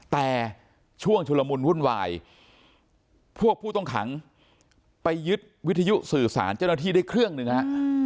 แต่ช่วงชุลมุนวุ่นวายพวกผู้ต้องขังไปยึดวิทยุสื่อสารเจ้าหน้าที่ได้เครื่องหนึ่งฮะ